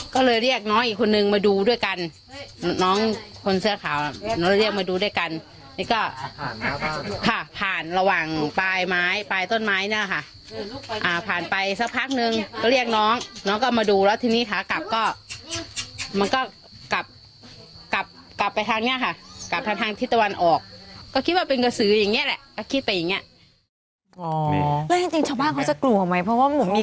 ก็เลยเรียกน้องอีกคนนึงมาดูด้วยกันน้องคนเสื้อขาวน้องเรียกมาดูด้วยกันนี่ก็ผ่านระหว่างปลายไม้ปลายต้นไม้เนี่ยค่ะผ่านไปสักพักนึงก็เรียกน้องน้องก็มาดูแล้วทีนี้ขากลับก็มันก็กลับกลับกลับไปทางเนี้ยค่ะกลับทางทางทิศตะวันออกก็คิดว่าเป็นกระสืออย่างเงี้แหละก็คิดไปอย่างเงี้ย